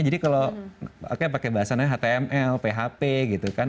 jadi kalau pakai bahasanya html php gitu kan